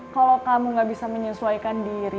kalau kamu gak bisa menyesuaikan diri